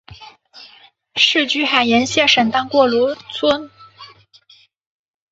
世居海盐县沈荡半逻村。